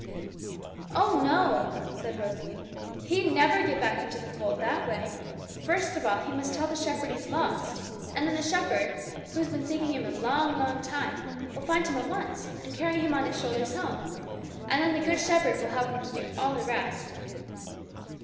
'Oh no!' said Rosalie; 'he'd never get back to the fold that way. First of all, he must tell the Shepherd he's lost; and then the Shepherd, who has been seeking him a long, long time, will find him at once, and carry him on His shoulders home; and then the Good Shepherd will help him to do all the rest.'